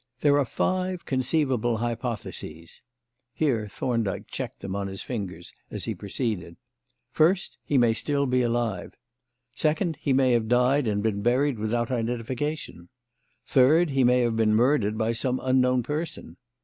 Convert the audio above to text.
There are five conceivable hypotheses" here Thorndyke checked them on his fingers as he proceeded "First, he may still be alive. Second, he may have died and been buried without identification. Third, he may have been murdered by some unknown person.